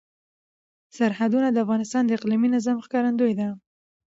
سرحدونه د افغانستان د اقلیمي نظام ښکارندوی ده.